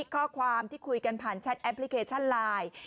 ข้อความที่คุยกันผ่านแชทแอปพลิเคชันไลน์